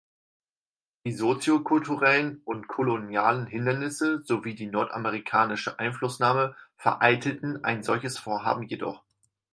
Die soziokulturellen und kolonialen Hindernisse sowie die nordamerikanische Einflussnahme vereitelten ein solches Vorhaben jedoch.